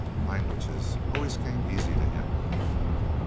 Languages always came easy to him.